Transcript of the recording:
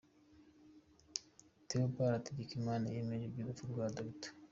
Theobald Hategekimana yemeje iby’urupfu rwa Dr.